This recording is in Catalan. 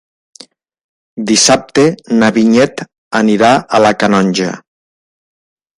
Dissabte na Vinyet anirà a la Canonja.